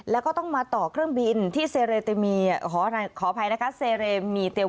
แล้วก็ต้องมาต่อเครื่องบินที่เซเรมีเตวัลกรุงมอสโคลที่รัสเซีย